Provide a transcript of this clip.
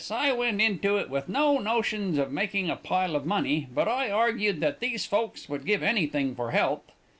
I went into it with no notions of making a pile of money, but I argued that these folks would give anything for health.